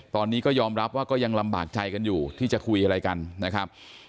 ตอนนี้ก็ยอมรับว่าก็ยังลำบากใจกันอยู่ที่จะคุยอะไรกันนะครับ